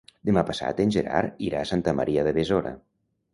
Demà passat en Gerard irà a Santa Maria de Besora.